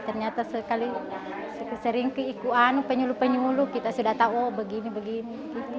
ternyata sering keiku penyuluh penyuluh kita sudah tahu begini begini